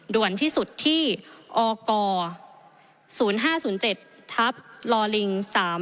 ด่วนที่สุดที่อก๐๕๐๗ทับลอลิง๓๔